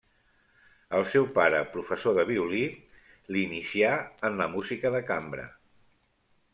El seu pare, professor de violí, l'inicià en la música de cambra.